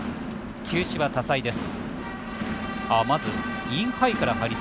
球種は多彩です。